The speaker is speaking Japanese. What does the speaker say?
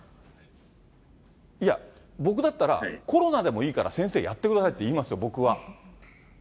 いや、僕だったら、コロナでもいいから先生、やってくださいって言いますよ、僕は。